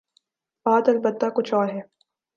بات البتہ کچھ اور ہے۔